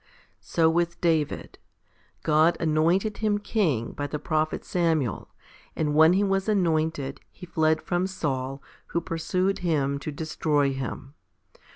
3. So with David. God anointed him king by the pro phet Samuel, and when he was anointed, h? fled from Saul, who pursued him to destroy him.